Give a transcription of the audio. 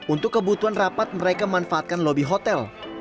untuk kebutuhan rapat mereka memanfaatkan lobby hotel